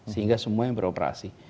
sehingga semua yang beroperasi